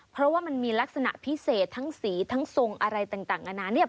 เพราะว่ามันมีลักษณะพิเศษทั้งสีทั้งทรงอะไรต่างนานาเนี่ย